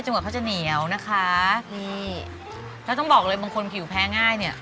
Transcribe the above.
เขาจะเหนียวนะคะนี่แล้วต้องบอกเลยบางคนผิวแพ้ง่ายเนี่ย